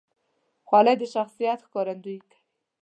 خولۍ د شخصیت ښکارندویي کوي.